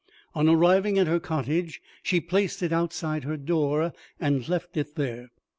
On arriving at her cottage she placed it outside her door, and left it there.